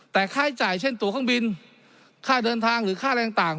แต่ค่าใช้จ่ายเช่นตัวเครื่องบินค่าเดินทางหรือค่าอะไรต่าง